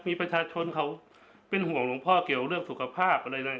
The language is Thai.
มีประชาชนเขาเป็นห่วงหลวงพ่อเกี่ยวเรื่องสุขภาพอะไรเลย